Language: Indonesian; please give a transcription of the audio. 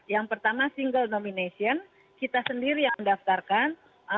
yang pertama single nomination kita sendiri yang mendaftarkan